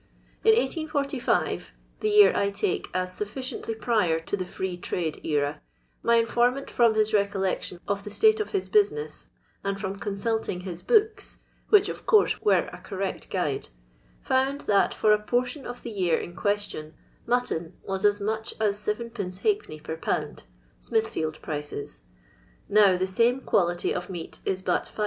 In 1 84 5, the year I take as sufficiently prior to the Free Trade era, my informant from his recollection of the state of his business and from consulting his books, which of course were a correct guide, found that for a portion of the year in question, mutton was as much as 7^4, per lb. (Smithfield prices), now the same quality of meat is but 5d.